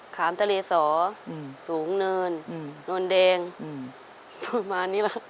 ขามทะเลสอสูงเนินโนนแดงประมาณนี้แหละ